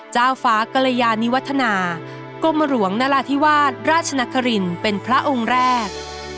ฟ้ากรยานิวัฒนากรมหลวงนราธิวาสราชนครินเป็นพระองค์แรก